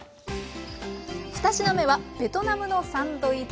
２品目はベトナムのサンドイッチ